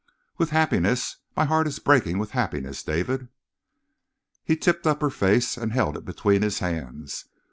"With happiness. My heart is breaking with happiness, David." He tipped up her face and held it between his hands.